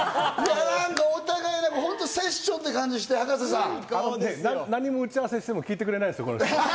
お互いセッションって感じがして、葉加瀬さん。何も打ち合わせしても聞いてくれないんですよ、この人。